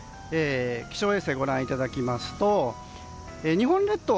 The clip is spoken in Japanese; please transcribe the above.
気象衛星、ご覧いただきますと日本列島、